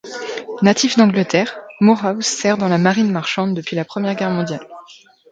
Natif d'Angleterre, Moorhouse sert dans la marine marchande pendant la Première Guerre mondiale.